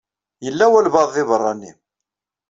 Yella walebɛaḍ deg beṛṛa-nni.